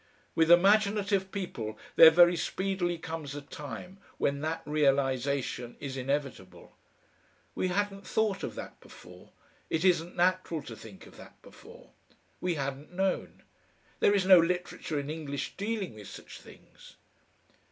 With imaginative people there very speedily comes a time when that realisation is inevitable. We hadn't thought of that before it isn't natural to think of that before. We hadn't known. There is no literature in English dealing with such things.